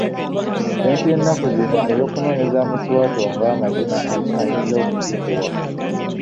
Ssente y'ennaku zino ey'okunoonyeza mu kiwato ng'amazina ani ayinza okugikuwa?